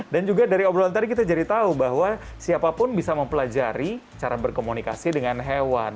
dan juga dari obrolan tadi kita jadi tahu bahwa siapapun bisa mempelajari cara berkomunikasi dengan hewan